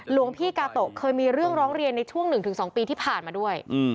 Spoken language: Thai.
หลวงพี่กาโตะเคยมีเรื่องร้องเรียนในช่วง๑๒ปีที่ผ่านมาด้วย